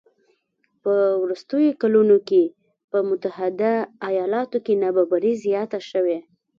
په وروستیو کلونو کې په متحده ایالاتو کې نابرابري زیاته شوې